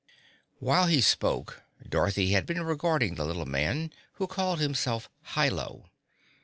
While he spoke, Dorothy had been regarding the little man who called himself Hi Lo.